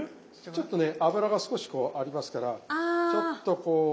ちょっとね油が少しこうありますからちょっとこう。